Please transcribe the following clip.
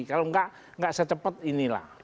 kalau enggak enggak secepet inilah